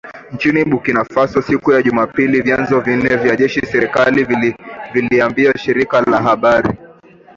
nchini Burkina Faso siku ya Jumapili vyanzo vinne vya jeshi la serikali vililiambia shirika la habari